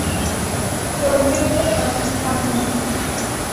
โดยไม่เลือกลัทธิการเมือง